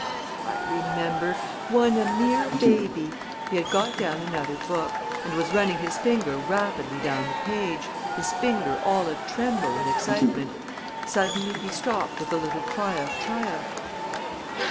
Ah, I remember one a mere baby!" He had got down another book, and was running his finger rapidly down the page his finger all a tremble with excitement. Suddenly, he stopped with a little cry of triumph.